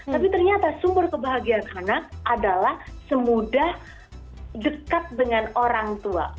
tapi ternyata sumber kebahagiaan anak adalah semudah dekat dengan orang tua